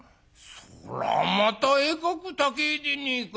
「そらまたえかく高えでねえか。